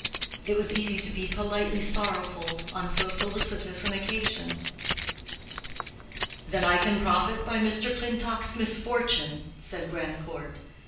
It was easy to be politely sorrowful on so felicitous an occasion. "Then I can profit by Mr. Clintock's misfortune?" said Grandcourt.